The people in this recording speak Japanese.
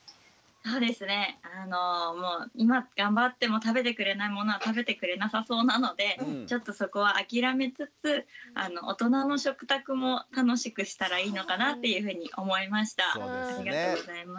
そうですね今頑張っても食べてくれないものは食べてくれなさそうなのでちょっとそこは諦めつつ大人の食卓も楽しくしたらいいのかなっていうふうに思いました。